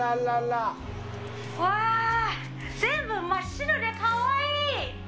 うわぁ、全部、真っ白でかわいい。